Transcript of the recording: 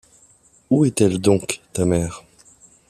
Où est-elle donc, ta mère?